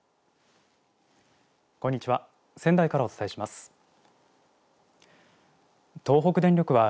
こんにちは。